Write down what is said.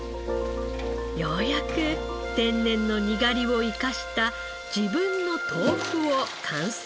ようやく天然のにがりを生かした自分の豆腐を完成させたのです。